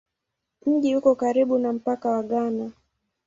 Mji uko karibu na mpaka wa Ghana.